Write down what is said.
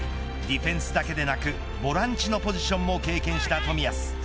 ディフェンスだけでなくボランチのポジションも経験した冨安。